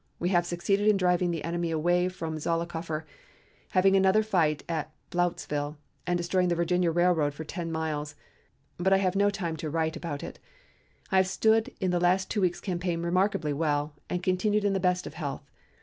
We have succeeded in driving the enemy away from Zollicoffer, having another fight at Blountsville, and destroying the Virginia Railroad for ten miles, but I have no time now to write about it. I have stood the last two weeks' campaign remarkably well and continue in the best of health.